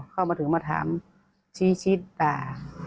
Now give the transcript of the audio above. เข้ามาถึงมาถามชี้ชี้ด่า